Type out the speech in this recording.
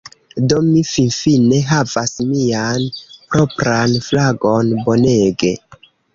Do, mi finfine havas mian propran flagon! Bonege!